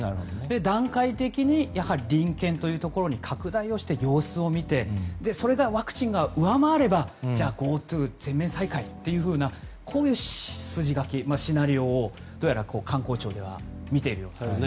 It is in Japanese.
段階的にやはり隣県というところに拡大をして様子を見てそれがワクチンが上回ればじゃあ、ＧｏＴｏ全面再開という筋書きシナリオを観光庁では見ているようですね。